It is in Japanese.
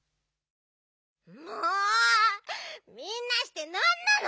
もうみんなしてなんなの？